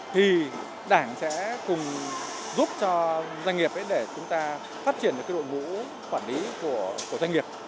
thì đảng sẽ cùng giúp cho doanh nghiệp để chúng ta phát triển được đội ngũ quản lý của doanh nghiệp